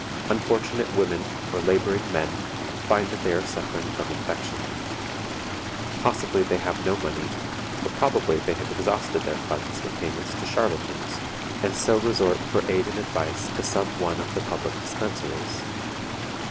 Unfortunate women, or laboring men, find that they are suffering from infection. Possibly they have no money, or probably they have exhausted their funds in payments to charlatans, and so resort for aid and advice to some one of the public dispensaries.